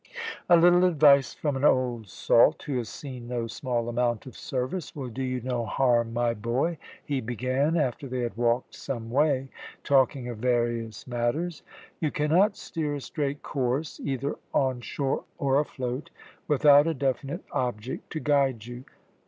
"A little advice from an old salt, who has seen no small amount of service, will do you no harm, my boy," he began, after they had walked some way, talking of various matters. "You cannot steer a straight course, either on shore or afloat, without a definite object to guide you.